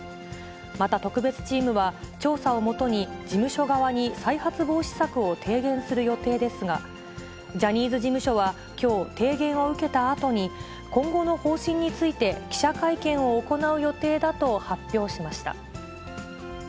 また特別チームは、調査をもとに事務所側に再発防止策を提言する予定ですが、ジャニーズ事務所はきょう、提言を受けたあとに、今後の方針について記者会見を行う予定だと発表しました。